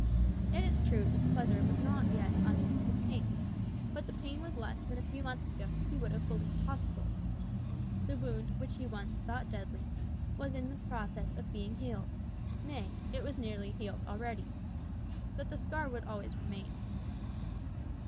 It is true this pleasure was not yet unmixed with pain, but the pain was less than a few months ago he would have believed possible. The wound which he once thought deadly, was in process of being healed; nay, it was nearly healed already. But the scar would always remain.